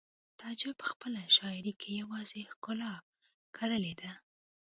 تعجب په خپله شاعرۍ کې یوازې ښکلا کرلې ده